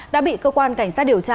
đã bị cơ quan cảnh sát điều tra